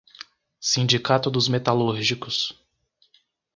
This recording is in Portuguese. Sindicato dos metalúrgicos